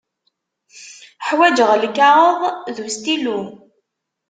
Ḥwaǧeɣ lkaɣeḍ d ustilu.